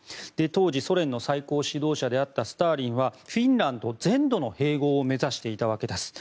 当時ソ連の最高指導者であったスターリンはフィンランド全土の併合を目指していたわけです。